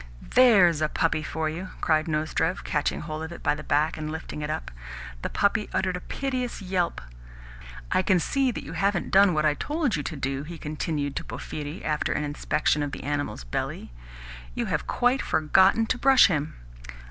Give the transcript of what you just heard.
"THERE'S a puppy for you!" cried Nozdrev, catching hold of it by the back, and lifting it up. The puppy uttered a piteous yelp. "I can see that you haven't done what I told you to do," he continued to Porphyri after an inspection of the animal's belly. "You have quite forgotten to brush him."